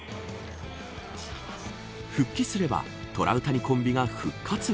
復帰すればトラウタニコンビが復活。